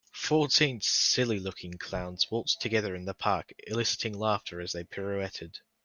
Fourteen silly looking clowns waltzed together in the park eliciting laughter as they pirouetted.